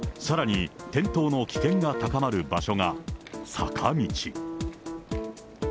さらに転倒の危険が高まる場所が、坂道。